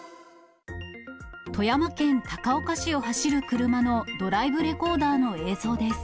富山県高岡市を走る車のドライブレコーダーの映像です。